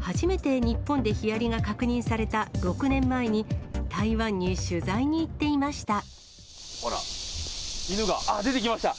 初めて日本でヒアリが確認された６年前に、ほら、犬が、あっ、出てきました。